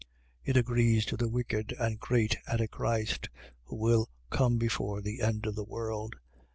It agrees to the wicked and great Antichrist, who will come before the end of the world.